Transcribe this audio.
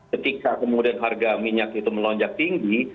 ketika kemudian harga minyak itu melonjak tinggi